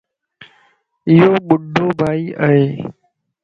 ايو ٻڊو بائي ائي.